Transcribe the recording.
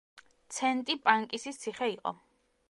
ცენტი პანკისის ციხე იყო.